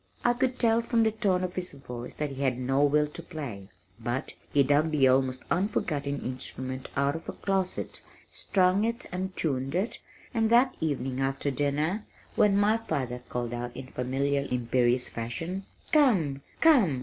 I could tell from the tone of his voice that he had no will to play, but he dug the almost forgotten instrument out of a closet, strung it and tuned it, and that evening after dinner, when my father called out in familiar imperious fashion, "Come, come!